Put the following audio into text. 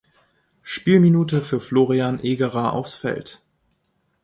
Spielminute für Florian Egerer aufs Feld.